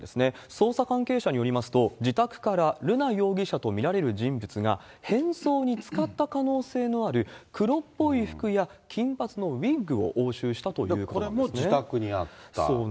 捜査関係者によりますと、自宅から瑠奈容疑者と見られる人物が、変装に使った可能性のある黒っぽい服や金髪のウィッグを押収したこれも自宅にあった？